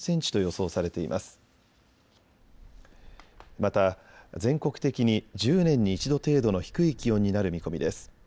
また、全国的に１０年に一度程度の低い気温になる見込みです。